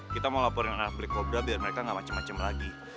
kita mau laporin arah belik kobra biar mereka gak macem macem lagi